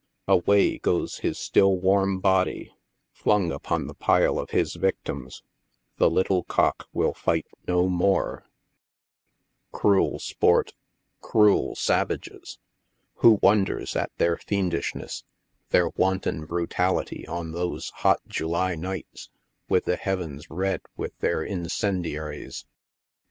Away goes his still warm body, flung upon the pile of his victims — the little cock will fight no more! 24 NIGHT SIDE OF NEW YORK. Crael fport — cruel savages ! Who wonders at their fiendishnesa —their wanton brutality on those hot July nights, with the heavens red with their incendiaries